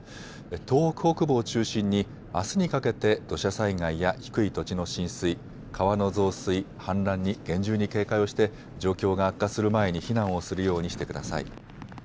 東北北部を中心にあすにかけて土砂災害や低い土地の浸水、川の増水、氾濫に厳重に警戒をして状況が悪化する前に避難をするようにしてください。